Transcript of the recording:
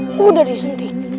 gua udah disuntik